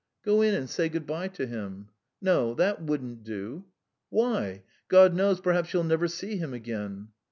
"Go in and say good bye to him." "No, that wouldn't do." "Why? God knows, perhaps you'll never see him again."